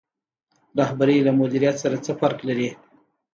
رهبري له مدیریت سره څه فرق لري؟